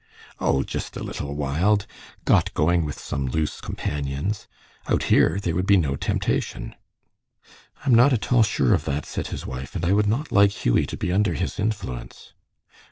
"O, just a little wild. Got going with some loose companions. Out here there would be no temptation." "I am not at all sure of that," said his wife, "and I would not like Hughie to be under his influence."